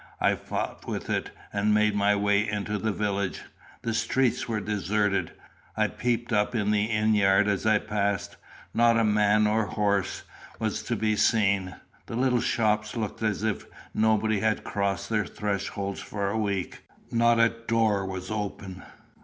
I fought with it, and made my way into the village. The streets were deserted. I peeped up the inn yard as I passed: not a man or horse was to be seen. The little shops looked as if nobody had crossed their thresholds for a week. Not a door was open.